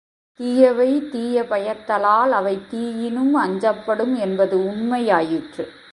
தீயவை தீய பயத்தலால் அவை தீயினும் அஞ்சப்படும் என்பது உண்மையாயிற்று.